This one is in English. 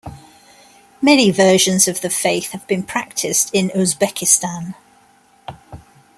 Many versions of the faith have been practiced in Uzbekistan.